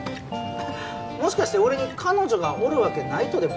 もしかして俺に彼女がおるわけないとでも？